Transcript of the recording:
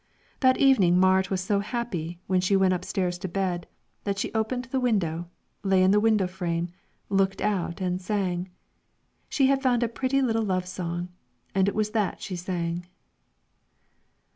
That evening Marit was so happy when she went up stairs to bed, that she opened the window, lay in the window frame, looked out and sang. She had found a pretty little love song, and it was that she sang.